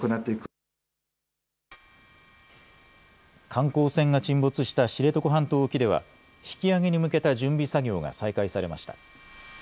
観光船が沈没した知床半島沖では引き揚げに向けた準備作業が再開されました。